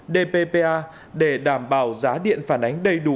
dppa để đảm bảo giá điện phản ánh đầy đủ